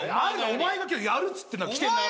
お前が今日やるっつって来てんだから。